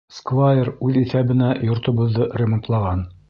Сквайр үҙ иҫәбенә йортобоҙҙо ремонтлаған.